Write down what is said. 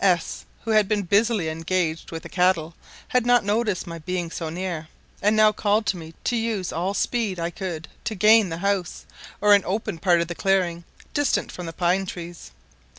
S , who had been busily engaged with the cattle, had not noticed my being so near, and now called to me to use all the speed I could to gain the house, or an open part of the clearing, distant from the pine trees.